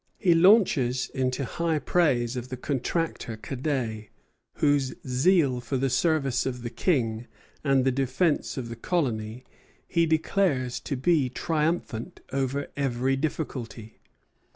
He launches into high praise of the contractor Cadet, whose zeal for the service of the King and the defence of the colony he declares to be triumphant over every difficulty.